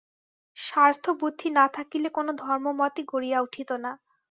স্বার্থবুদ্ধি না থাকিলে কোন ধর্মমতই গড়িয়া উঠিত না।